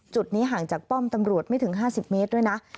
จุดนี้ห่างจากป้อมตำรวจไม่ถึง๕๐เมตรด้วยนะ